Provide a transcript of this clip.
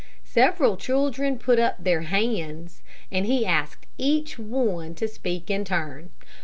Several children put up their hands, and he asked each one to speak in turn.